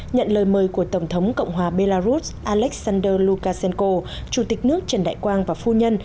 nhận lời mời của tổng thống cộng hòa belarus alexander lukashenko chủ tịch nước trần đại quang và phu nhân